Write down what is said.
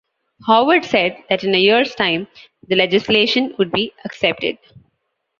Howard said that in a year's time the legislation would be accepted.